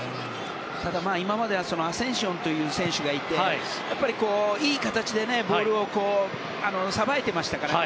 ただ、今まではアセンシオという選手がいてやっぱり、いい形でボールをさばいていましたから。